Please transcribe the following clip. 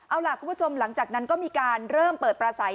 เอาล่ะคุณผู้ชมหลังจากนั้นก็มีการเริ่มเปิดประสัย